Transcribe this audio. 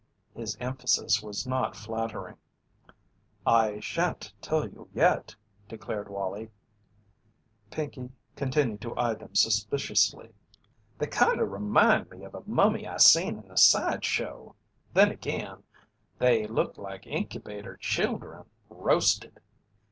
_" His emphasis was not flattering. "I shan't tell you yet," declared Wallie. Pinkey continued to eye them suspiciously. "They kinda remind me of a mummy I seen in a side show; then, again, they look like incubator childern roasted.